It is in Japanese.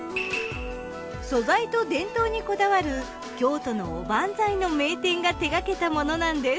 素材と伝統にこだわる京都のおばんざいの名店が手がけたものなんです。